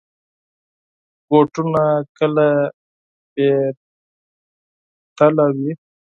بوټونه کله بې تله وي.